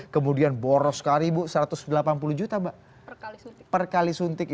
kemudian boros sekali ibu satu ratus delapan puluh juta per kali suntik